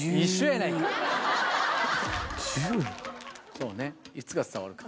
そうねいつか伝わるか。